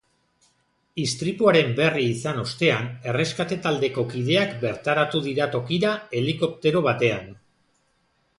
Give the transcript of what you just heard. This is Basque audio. Istripuaren berri izan ostean, erreskate taldeko kideak bertaratu dira tokira helikoptero batean.